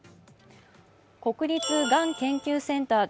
国立がん研究センター